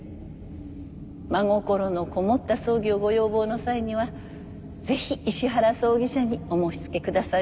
真心のこもった葬儀をご要望の際にはぜひ石原葬儀社にお申し付けくださいませ。